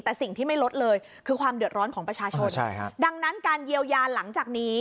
แต่สิ่งที่ไม่ลดเลยคือความเดือดร้อนของประชาชนดังนั้นการเยียวยาหลังจากนี้